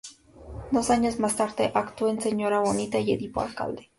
Dos años más tarde actuó en "Señora bonita" y "Edipo alcalde".